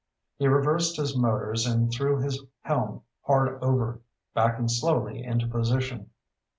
He reversed his motors and threw his helm hard over, backing slowly into position.